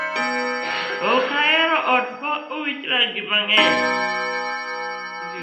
Ok ahero ot ma owich rangi mangeny